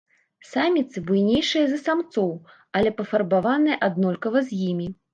Саміцы буйнейшыя за самцоў, але пафарбаваныя аднолькава з імі.